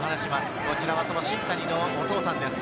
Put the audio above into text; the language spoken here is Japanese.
こちらは新谷のお父さんです。